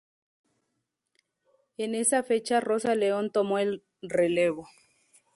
En esa fecha Rosa León tomó el relevo.